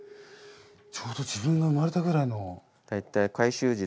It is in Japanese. ちょうど自分が生まれたぐらいの。